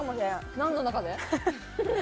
何の中で？